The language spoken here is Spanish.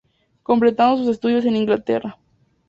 Completando sus estudios en Inglaterra.